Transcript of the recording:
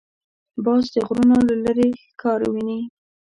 باز د غرونو له لیرې ښکار ویني